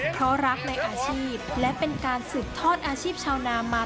เพราะรักในอาชีพและเป็นการสืบทอดอาชีพชาวนามา